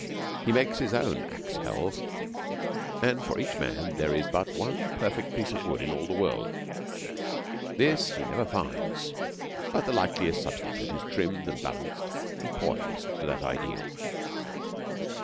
He makes his own axe helve, and for each man there is but one perfect piece of wood in all the world. This he never finds, but the likest substitute is trimmed and balanced and poised to that ideal.